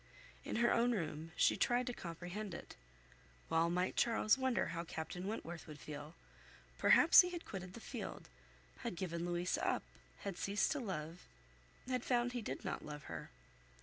In her own room, she tried to comprehend it. Well might Charles wonder how Captain Wentworth would feel! Perhaps he had quitted the field, had given Louisa up, had ceased to love, had found he did not love her.